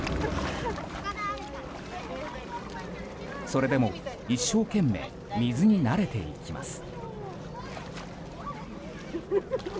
それでも、一生懸命水に慣れていきます。